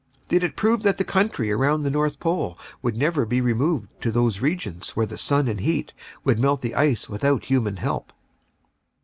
Did it prove that the country around the North Pole would never be removed to those regions where the sun and heat would melt the ice without human help?